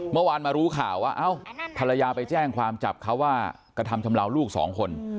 เมื่อวานมารู้ข่าวว่าเอ้าภรรยาไปแจ้งความจับเขาว่ากระทำชำเลาลูกสองคน